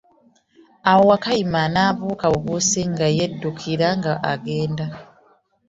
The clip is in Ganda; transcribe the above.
Awo Wakayima yabuuka bubuusi nga yedukira nga agenda.